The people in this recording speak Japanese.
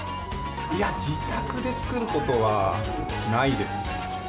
自宅で作ることはないですね。